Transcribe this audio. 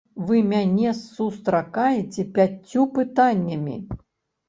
Вы мяне сустракаеце пяццю пытаннямі.